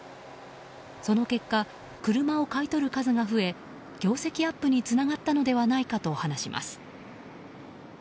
その結果、車を買い取る数が増え業績アップにつながったのではないかと話します。